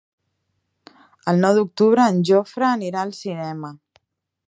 El nou d'octubre en Jofre anirà al cinema.